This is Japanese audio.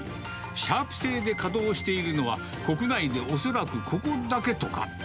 シャープ製で稼働しているのは、国内で恐らくここだけとか。